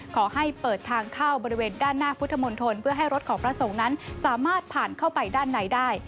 ขอให้เปิดทางเข้าบริเวณด้านหน้าพุทธมนตรเพื่อให้รถของพระสงฆ์นั้นสามารถผ่านเข้าไปด้านในได้